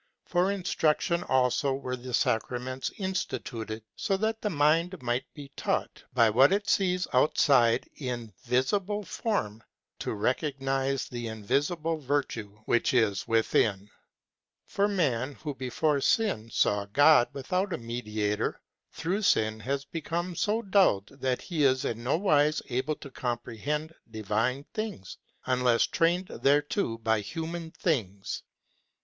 For instruction also were the sacraments instituted, so that the mind might be taught by what it sees outside in visible form, to recog nize the invisible virtue which is within. For man, who before sin saw God without a mediator, through sin has became so dulled that he is in no wise able to comprehend divine things, unless trained thereto by human things.